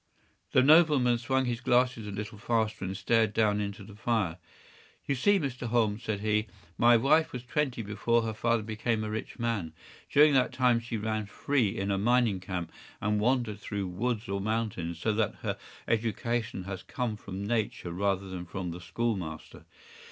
” The nobleman swung his glasses a little faster and stared down into the fire. “You see, Mr. Holmes,” said he, “my wife was twenty before her father became a rich man. During that time she ran free in a mining camp, and wandered through woods or mountains, so that her education has come from Nature rather than from the school master.